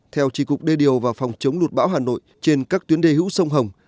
theo tri cục đê điều và phòng chống lụt bão hà nội trên các tuyến đê hữu sông hồng